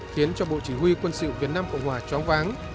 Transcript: khiến cho bộ chỉ huy quân sự việt nam cộng hòa tráng váng